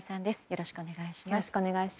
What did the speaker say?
よろしくお願いします。